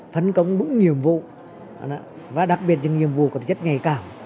phấn công đúng nhiệm vụ và đặc biệt những nhiệm vụ có thể chất ngày càng